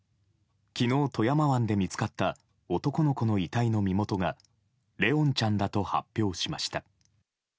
昨日、富山湾で見つかった男の子の遺体の身元が怜音ちゃんだと発表しました。